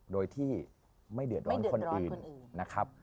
โดยที่ไม่เดือดร้อนคนอื่น